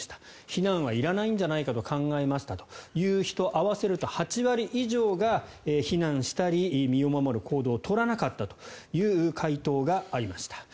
避難はいらないんじゃないかと考えましたという人を合わせると８割以上が避難したり、身を守る行動を取らなかったという回答がありました。